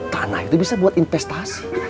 tanah itu bisa buat investasi